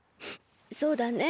そうだね。